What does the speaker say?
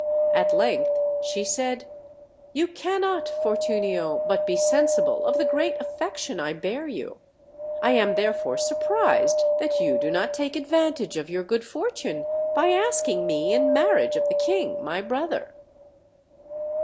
At length she said: "You can not, Fortunio, but be sensible of the great affection I bear you. I am therefore surprised that you do not take ad vantage of your good fortune, by asking me in marriage of the king, my brother."